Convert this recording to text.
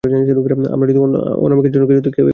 আমরা যদি আনিকার জন্য কিছু না করি, কেউই করবে না।